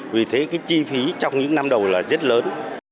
vì thế cái chi phí trong những năm đầu là rất lớn